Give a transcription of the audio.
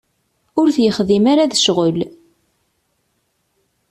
Ur t-yexdim ara d ccɣel.